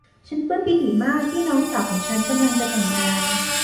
ฉันปลื้มปิติมากที่น้องสาวของฉันกำลังจะแต่งงาน